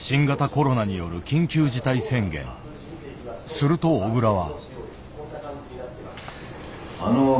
すると小倉は。